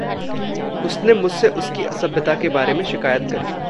उसने मुझसे उसकी असभ्यता के बारे में शिक़ायत करी।